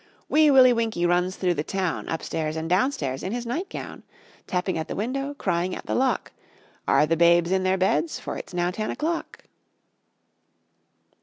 Wee Willie Winkie runs through the town, Upstairs and downstairs, in his nightgown; Tapping at the window, crying at the lock: "Are the babes in their beds, for it's now ten o'clock?"